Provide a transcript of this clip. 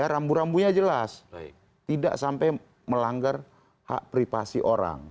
rambu rambunya jelas tidak sampai melanggar hak privasi orang